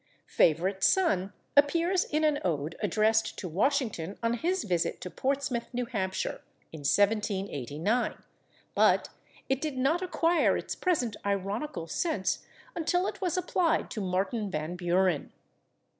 /Favorite son/ appears in an ode addressed to Washington on his visit to Portsmouth, N. H., in 1789, but it did not acquire its present ironical sense until it was applied to Martin Van Buren.